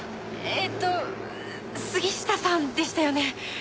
えーと杉下さんでしたよね？